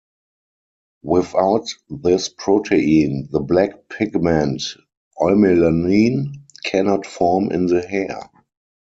Without this protein, the black pigment eumelanin cannot form in the hair.